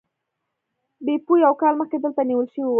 بیپو یو کال مخکې دلته نیول شوی و.